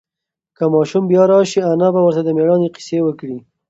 که ماشوم بیا راشي، انا به ورته د مېړانې قصې وکړي.